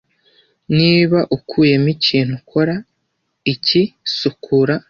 Niba Ukuyemo ikintu ukora iki Sukura